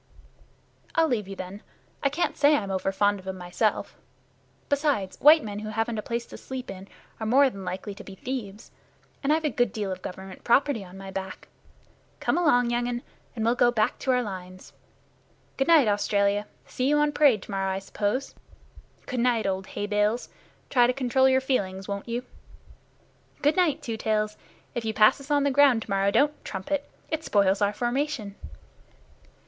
"I'll leave you, then. I can't say I'm over fond of 'em myself. Besides, white men who haven't a place to sleep in are more than likely to be thieves, and I've a good deal of Government property on my back. Come along, young un, and we'll go back to our lines. Good night, Australia! See you on parade to morrow, I suppose. Good night, old Hay bale! try to control your feelings, won't you? Good night, Two Tails! If you pass us on the ground tomorrow, don't trumpet. It spoils our formation."